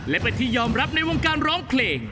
และเป็นที่ยอมรับในวงการร้องเพลง